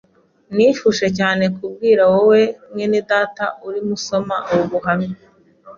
Nifuje cyane kubwira wowe mwenedata urimo usoma ubu buhamya